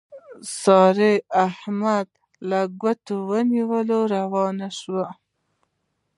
سارا د احمد ګوته ونيوله او روان شول.